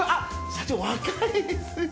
社長若いっすよ。